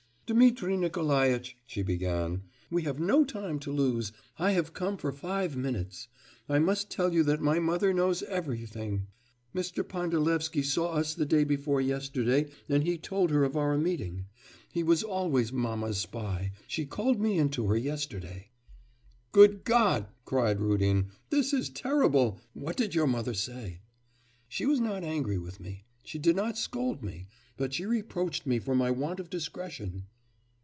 'Dmitri Nikolaitch,' she began, 'we have no time to lose. I have come for five minutes. I must tell you that my mother knows everything. Mr. Pandalevsky saw us the day before yesterday, and he told her of our meeting. He was always mamma's spy. She called me in to her yesterday.' 'Good God!' cried Rudin, 'this is terrible.... What did your mother say?' 'She was not angry with me, she did not scold me, but she reproached me for my want of discretion.